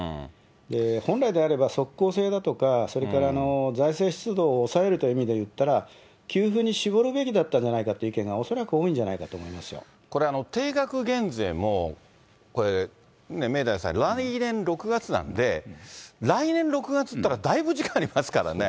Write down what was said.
本来であれば即効性だとか、それから財政出動を抑えるという意味でいったら、給付に絞るべきだったんじゃないかという意見が恐らく多いんじゃないかと思いまこれ、定額減税もこれ、明大さん、来年６月なんで、来年６月ったら、だいぶ時間ありますからね。